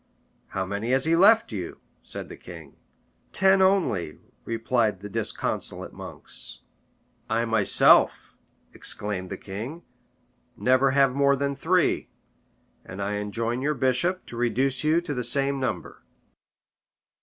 "How many has he left you?" said the king. "Ten only," replied the disconsolate monks. "I myself," exclaimed the king, "never have more than three; and I enjoin your bishop to reduce you to the same number."